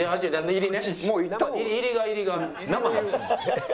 入りが入りが。